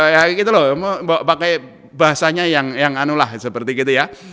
ya gitu loh pakai bahasanya yang anu lah seperti gitu ya